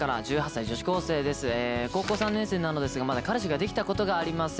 「高校３年生ですが彼氏ができたことがありません。